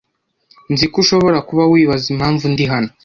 Nzi ko ushobora kuba wibaza impamvu ndi hano.